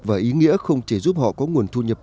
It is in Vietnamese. và ý nghĩa không chỉ giúp họ có nguồn thu nhập